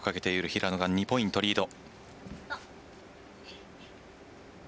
平野が２ポイントリード。